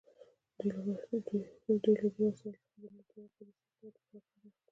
دوی له دې وسایلو څخه د نورو طبقو د استثمار لپاره کار اخلي.